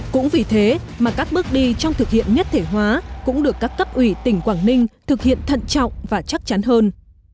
cũng vì thế mà các bước đi trong thực hiện nhất thể hóa cũng được các cấp ủy tỉnh quảng ninh thực hiện thận trọng và chắc chắn hơn